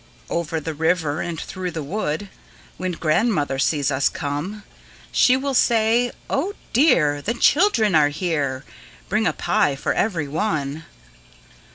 Over the river, and through the wood When grandmother sees us come, She will say, Oh dear, The children are here, Bring a pie for every one.